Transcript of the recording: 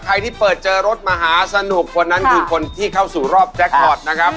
ที่เปิดเจอรถมหาสนุกคนนั้นคือคนที่เข้าสู่รอบแจ็คพอร์ตนะครับ